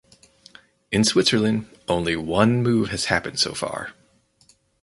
In Switzerland only one move has happened so far.